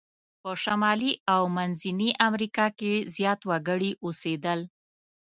په شمالي او منځني امریکا کې زیات وګړي اوسیدل.